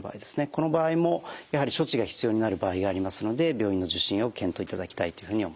この場合もやはり処置が必要になる場合がありますので病院の受診を検討いただきたいというふうに思います。